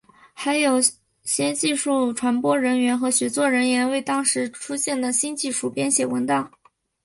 还有些技术传播人员和写作人员为当时出现的新技术编写文档。